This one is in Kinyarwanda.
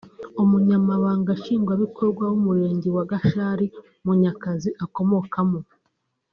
umunyamabanga nshingwabikorwa w’umurenge wa Gashari Munyakazi akomokamo